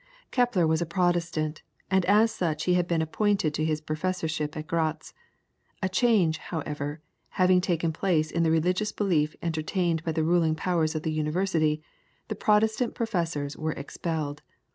Kepler was a Protestant, and as such he had been appointed to his professorship at Gratz. A change, however, having taken place in the religious belief entertained by the ruling powers of the University, the Protestant professors were expelled.